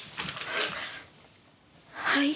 はい。